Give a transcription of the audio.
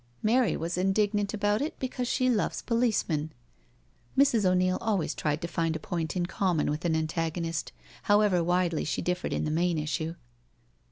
Mary was indignant about it because she loves policemen." Mrs. O'Neil always tried to find a point in common with an antagonist| how.ever widely she differed in the main issue.